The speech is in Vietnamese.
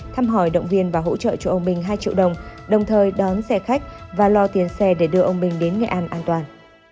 thăm hỏi động viên và hỗ trợ cho ông bình hai triệu đồng đồng thời đón xe khách và lo tiền xe để đưa ông bình đến nghệ an an toàn